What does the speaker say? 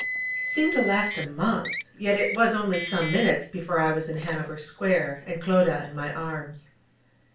It seemed to last a month: yet it was only some minutes before I was in Hanover Square, and Clodagh in my arms.